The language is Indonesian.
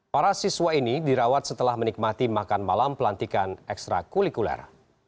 para siswa ini dirawat setelah menikmati makan malam pelantikan ekstra kulikuler